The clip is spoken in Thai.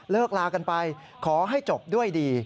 ลากันไปขอให้จบด้วยดี